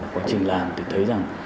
quá trình làm thì thấy rằng